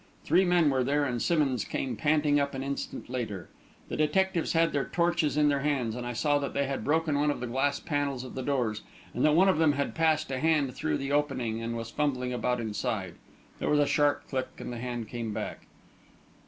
Three men were there, and Simmonds came panting up an instant later. The detectives had their torches in their hands, and I saw that they had broken one of the glass panels of the doors, and that one of them had passed a hand through the opening and was fumbling about inside. There was a sharp click, and the hand came back.